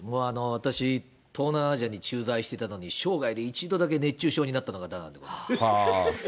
私、東南アジアに駐在していたのに、生涯で一度だけ熱中症になったのがダナンでございます。